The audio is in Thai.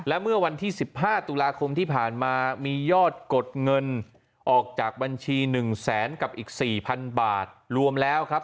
และเมื่อวันที่๑๕ตุลาคมที่ผ่านมามียอดกดเงินออกจากบัญชี๑แสนกับอีก๔๐๐๐บาทรวมแล้วครับ